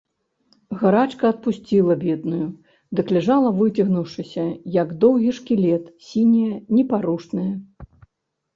Гарачка адпусціла бедную, дык ляжала выцягнуўшыся, як доўгі шкілет, сіняя, непарушная.